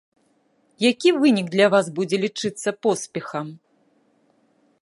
Які вынік для вас будзе лічыцца поспехам?